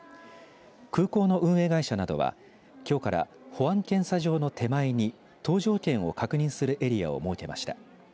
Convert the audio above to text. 空港の運営会社などは今日から保安検査場の手前に搭乗券を確認するエリアを設けました。